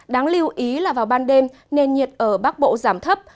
đáng lưu ý là vào ban đêm nền nhiệt ở bắc bộ giảm thấp